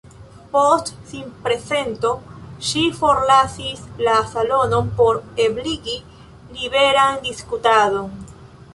Post sinprezento, ŝi forlasis la salonon por ebligi liberan diskutadon.